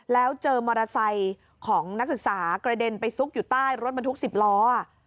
แล้วเจอมอเตอร์ไซค์ของนักศึกษากระเด็นไปซุกอยู่ใต้รถบรรทุก๑๐ล้อ